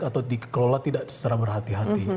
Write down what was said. atau dikelola tidak secara berhati hati